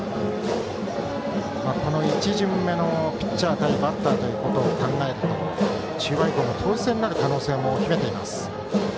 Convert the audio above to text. この１巡目のピッチャー対バッターを考えると中盤以降、投手戦になる可能性も秘めています。